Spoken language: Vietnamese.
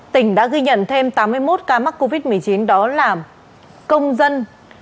tỉnh đã ghi nhận thêm tám mươi một ca mắc covid một mươi chín đó là công dân